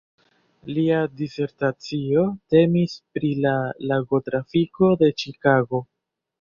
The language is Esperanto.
Lia disertacio temis pri la lagotrafiko de Ĉikago.